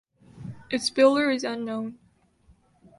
Its builder is unknown.